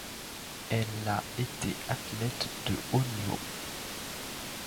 Elle a été athlète de haut niveau.